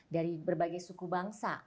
dari berbagai suku bangsa